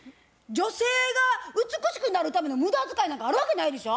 女性が美しくなるための無駄遣いなんかあるわけないでしょ。